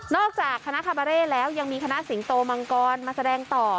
จากคณะคาบาเร่แล้วยังมีคณะสิงโตมังกรมาแสดงต่อ